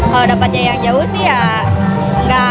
kalau dapatnya yang jauh sih ya nggak